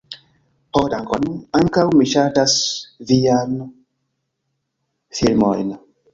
Ho dankon! ankaŭ mi ŝatas viajn filmojn